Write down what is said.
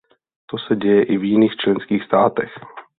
To se děje i v jiných členských státech.